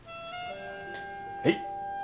はい。